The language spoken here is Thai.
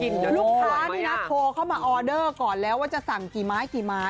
ลูกค้านี่นะโทรเข้ามาออเดอร์ก่อนแล้วว่าจะสั่งกี่ไม้กี่ไม้